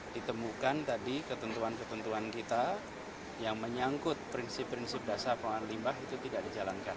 ditemukan tadi ketentuan ketentuan kita yang menyangkut prinsip prinsip dasar pengelolaan limbah itu tidak dijalankan